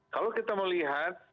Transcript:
kalau kita melihat